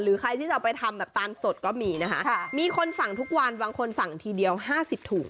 ใครที่จะไปทำแบบตาลสดก็มีนะคะมีคนสั่งทุกวันบางคนสั่งทีเดียว๕๐ถุง